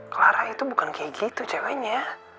clara itu bukan kayak gitu ceweknya